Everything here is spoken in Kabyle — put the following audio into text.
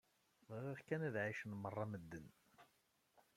Bɣiɣ kan ad ɛicen merra medden.